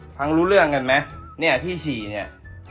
ฟังรู้เรื่องเหรองไหมเนี่ยที่ฉี่เนี่ย